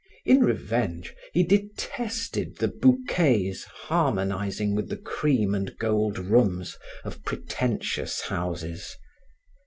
In revenge he detested the bouquets harmonizing with the cream and gold rooms of pretentious houses.